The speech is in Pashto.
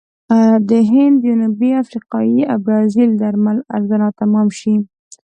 د هند، جنوبي افریقې او برازیل درمل ارزانه تمام شي.